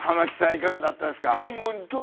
いかがだったですか？